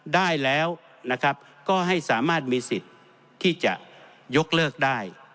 ได้แล้วนะครับก็ให้สามารถมีสิทธิ์ที่จะยกเลิกได้